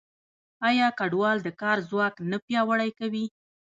آیا کډوال د کار ځواک نه پیاوړی کوي؟